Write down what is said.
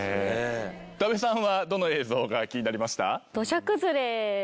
多部さんはどの映像が気になりました？